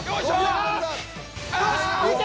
よしいけ！